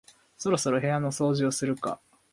そろそろ部屋の掃除をするか